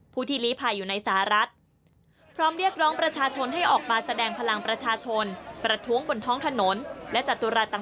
ผู้ที่รีภายอยู่ในสหรัฐ